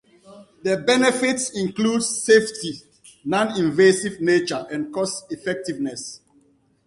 The benefits include safety, non-invasive nature, and cost-effectiveness.